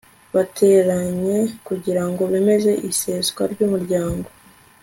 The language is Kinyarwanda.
bateranye kugira ngo bemeze iseswa ry'umuryango